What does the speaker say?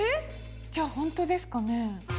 じゃあほんとですかね？